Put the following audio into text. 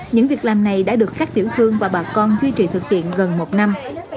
những việc làm này đã được các tiểu thương và bà con duy trì thực hiện gần một năm